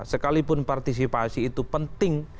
sekalipun partisipasi itu penting